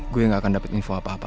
gue gak akan dapat info apa apa